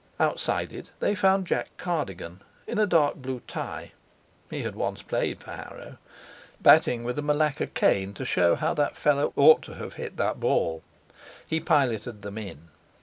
Outside it they found Jack Cardigan in a dark blue tie (he had once played for Harrow), batting with a Malacca cane to show how that fellow ought to have hit that ball. He piloted them in.